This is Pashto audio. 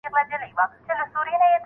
په هېواد کې تولیدي مؤسسې موجودې وې.